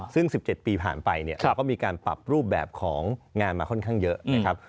ซึ่ง๑๗ปีผ่านไปเนี่ยเราก็มีการปรับรูปแบบของงานมาค่อนข้างเยอะนะครับ